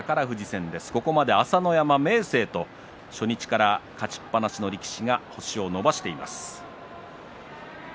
朝乃山、明生と初日から勝ちっぱなしの力士が星を伸ばしています。